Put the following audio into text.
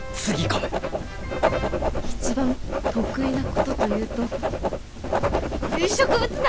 一番得意なことというと植物画！